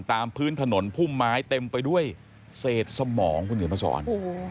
ตามพื้นถนนพุ่มไม้เต็มไปด้วยเศษสมองคุณเขียนมาสอน